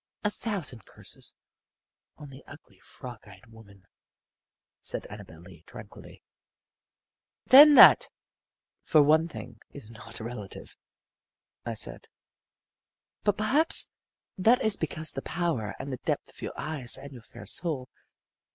A thousand curses on the ugly, frog eyed woman," said Annabel Lee, tranquilly. "Then that, for one thing, is not relative," I said. "But perhaps that is because of the power and the depth of your eyes and your fair soul.